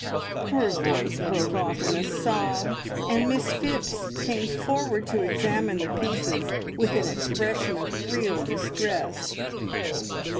Her voice broke off in a sob, and Miss Phipps came forward to examine the pieces with an expression of real distress.